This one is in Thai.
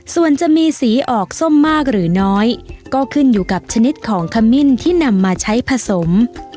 ส่วนจะมีสีออกส้มมากหรือน้อยก็ขึ้นอยู่กับชนิดของขมิ้นที่นำมาใช้ผสม